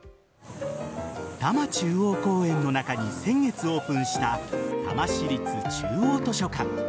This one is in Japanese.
多摩中央公園の中に先月オープンした多摩市立中央図書館。